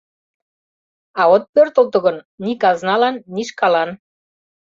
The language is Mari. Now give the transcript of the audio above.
А от пӧртылтӧ гын — ни казналан, ни шкалан.